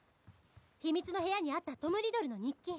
秘密の部屋にあったトム・リドルの日記